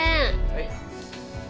はい。